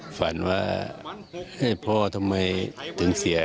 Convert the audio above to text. ก็ฝันว่าพ่อทำไมถึงเสีย